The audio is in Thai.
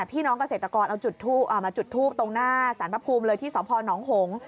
พี่น้องเกษตรกรเอาจุดมาจุดทูปตรงหน้าสารพระภูมิเลยที่สพนหง